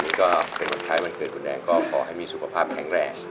นี่ก็เป็นคล้ายวันเกิดคุณแดงก็ขอให้มีสุขภาพแข็งแรง